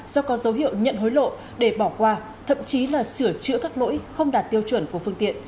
do có dấu hiệu nhận hối lộ để bỏ qua thậm chí là sửa chữa các lỗi không đạt tiêu chuẩn của phương tiện